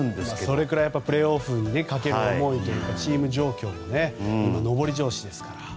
それくらいプレーオフにかける思いというかチーム状況も今、上り調子ですから。